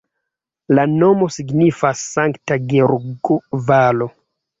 La nomo signifas Sankta Georgo-valo.